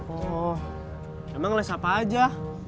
oh emang les apa aja